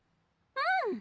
うん！